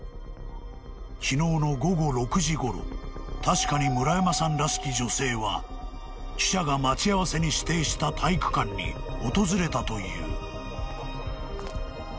［昨日の午後６時ごろ確かに村山さんらしき女性は記者が待ち合わせに指定した体育館に訪れたという］